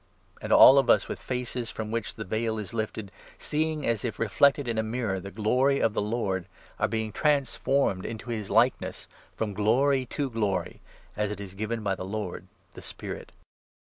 And all of us, with faces from which the veil 18 is lifted, seeing, as if reflected in a mirror, the glory of the Lord, are being transformed into his likeness, from glory to glory, as it is given by the Lord, the Spirit.